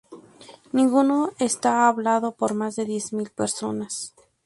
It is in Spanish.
Ninguno está hablado por más de diez mil personas.